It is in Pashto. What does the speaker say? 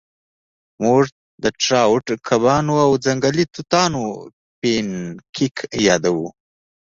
موږ د ټراوټ کبانو او ځنګلي توتانو پینکیک یادوو